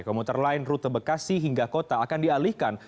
komuter lain rute bekasi hingga kota akan dialihkan